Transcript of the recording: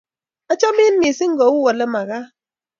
Achamin missing' kou olemagat.